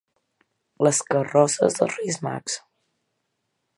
Les carrosses dels Reis Mags.